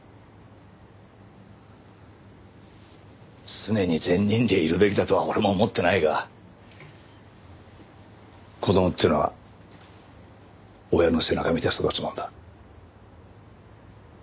常に善人でいるべきだとは俺も思ってないが子供ってのは親の背中見て育つもんだ。